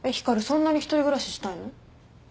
そんなに１人暮らししたいの？